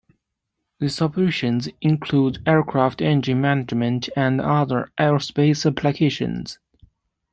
These operations include aircraft engine management and other aerospace applications.